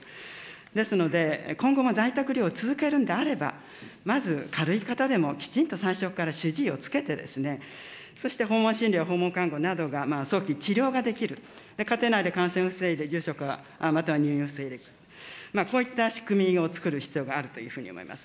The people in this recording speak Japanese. ですので、今後も在宅医療を続けるんであれば、まず軽い方でもきちんと最初から主治医をつけて、そして訪問診療、訪問看護などが早期治療ができる、家庭内で感染を防いで、重症化、または入院を防いでいく、こういった仕組みを作る必要があるというふうに思います。